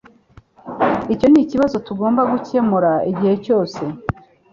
Icyo nikibazo tugomba gukemura igihe cyose.